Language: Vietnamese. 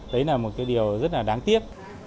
đấy là một điều rất là đáng tiếc